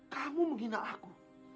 kamu menghina aku